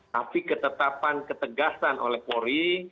tapi ketetapan ketegasan oleh polri